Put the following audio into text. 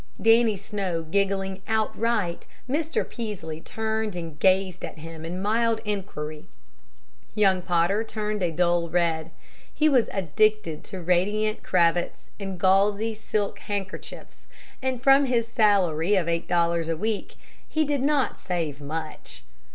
Dannie Snow giggling outright, Mr. Peaslee turned and gazed at him in mild inquiry. Young Potter turned a dull red. He was addicted to radiant cravats and gauzy silk handkerchiefs, and from his "salary" of eight dollars a week he did not save much.